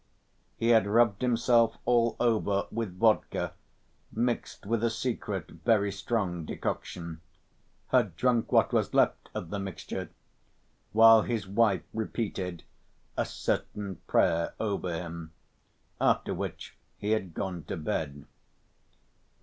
He had rubbed himself all over with vodka mixed with a secret, very strong decoction, had drunk what was left of the mixture while his wife repeated a "certain prayer" over him, after which he had gone to bed.